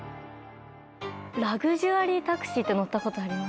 ラグジュアリータクシーって乗ったことあります？